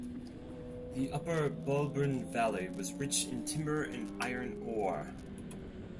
The upper Bulbourne Valley was rich in timber and iron ore.